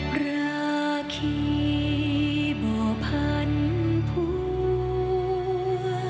ประขีบ่พันธุ์พวก